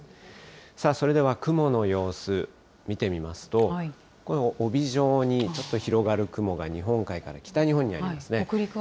さあそれでは雲の様子、見てみますと、帯状にちょっと広がる雲が日本海側から北日本にありますね。